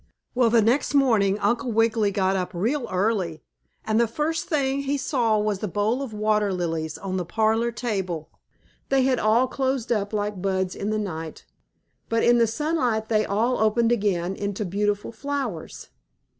Well, the next morning Uncle Wiggily got up real early, and the first thing he saw was the bowl of water lilies on the parlor table. They had all closed up like buds in the night, but in the sunlight they all opened again into beautiful flowers.